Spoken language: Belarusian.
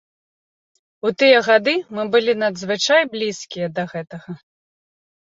У тыя гады мы былі надзвычай блізкія да гэтага.